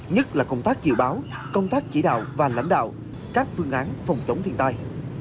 nhất là công tác dự báo công tác chỉ đạo và lãnh đạo các phương án phòng chống thiên tai